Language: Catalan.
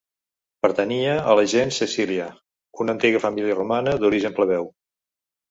Pertanyia a la gens Cecília, una antiga família romana d'origen plebeu.